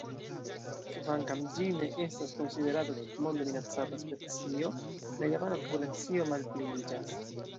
Kvankam ĝi ne estas konsiderata tutmonde minacata specio, la japana populacio malpliiĝas.